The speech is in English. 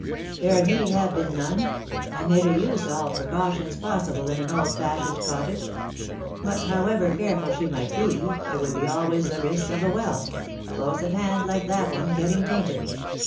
" There need have been none. I made her nse all precautions possible in an old fashioned cottage ; but however careful she might be, there would be always the risk of a well close at hand like that one getting tainted.